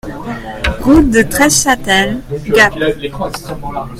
Route de Treschâtel, Gap